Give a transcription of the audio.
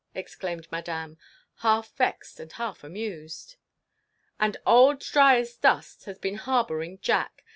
exclaimed Madame, half vexed and half amused. "And old Dryasdust has been harbouring Jack!